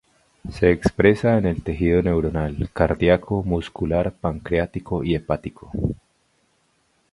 Se expresa en el tejido neuronal, cardíaco, muscular, pancreático y hepático.